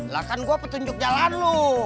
lahan gue petunjuk jalan lo